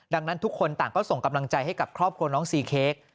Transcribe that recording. ดังนั้นทุกคนต่างก็ส่งกำลังใจให้กับครอบครัวน้องซีเค้ก